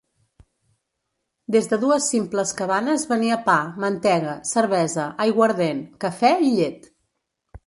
Des de dues simples cabanes venia pa, mantega, cervesa, aiguardent, cafè i llet.